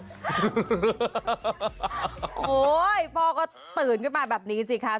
โอ้โหพ่อก็ตื่นขึ้นมาแบบนี้สิคะ